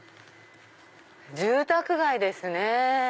住宅街ですね。